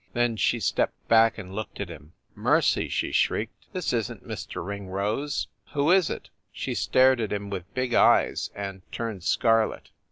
Then she stepped back and looked at him. "Mercy!" she shrieked, "this isn t Mr. Ringrose! Who is it?" She stared at him with big eyes, and turned scarlet.